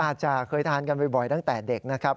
อาจจะเคยทานกันบ่อยตั้งแต่เด็กนะครับ